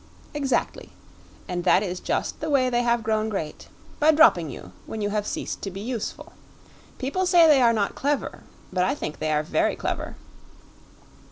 "Exactly; and that is just the way they have grown great by dropping you when you have ceased to be useful. People say they are not clever; but I think they are very clever."